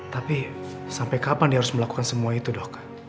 tapi sampai kapan dia harus melakukan semua itu dok